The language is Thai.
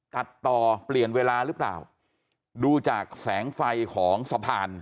ตัดต่อเปลี่ยนเวลาหรือเปล่าดูจากแสงไฟของสะพาน